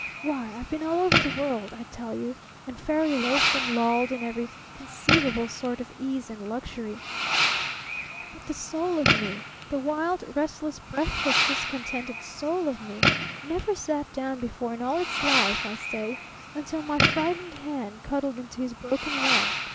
Why, I've been all over the world, I tell you, and fairly loafed and lolled in every conceivable sort of ease and luxury, but the Soul of me the wild, restless, breathless, discontented soul of me never sat down before in all its life I say, until my frightened hand cuddled into his broken one.